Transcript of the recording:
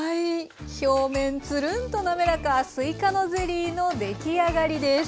表面ツルンと滑らかすいかのゼリーの出来上がりです。